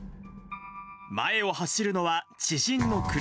前を走るのは知人の車。